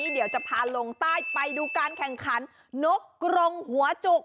เดี๋ยวจะพาลงใต้ไปดูการแข่งขันนกกรงหัวจุก